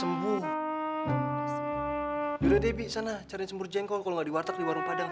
nanti deh b cari sembur jengkol kalau nggak di warteg di warung padang